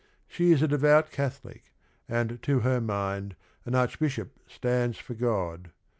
She is a devout Catholic, and to her mind an Archbishop "stands for God."